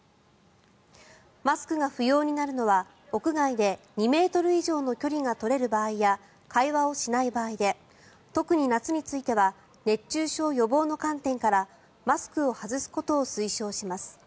マスクが不要になるのは屋外で２ｍ以上の距離が取れる場合や会話をしない場合で特に夏については熱中症予防の観点からマスクを外すことを推奨します。